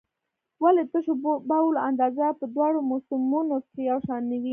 ولې د تشو بولو اندازه په دواړو موسمونو کې یو شان نه وي؟